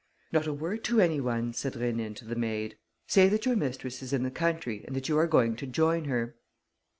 "Not a word to any one," said Rénine to the maid. "Say that your mistress is in the country and that you are going to join her."